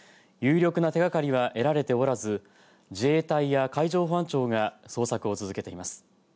有力な手がかりは得られておらず自衛隊や海上保安庁が捜索を続けています。